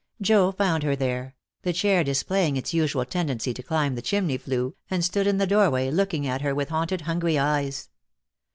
Joe found her there, the chair displaying its usual tendency to climb the chimney flue, and stood in the doorway, looking at her with haunted, hungry eyes.